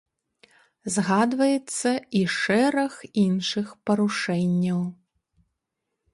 Згадваецца і шэраг іншых парушэнняў.